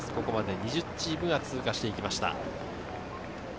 ２０チームが通過していきました。